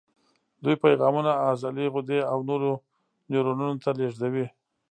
دوی پیغامونه عضلې، غدې او نورو نیورونونو ته لېږدوي.